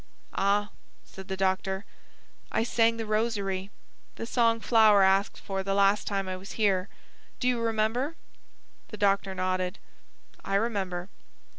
"Ah," said the doctor. "I sang The Rosary the song Flower asked for the last time I was here. Do you remember?" The doctor nodded. "I remember."